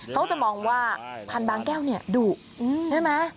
เขาจะมองว่าผันบางแก้วเนี่ยดุเออใช่มั้ย